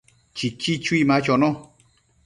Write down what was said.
Chichi chui ma chono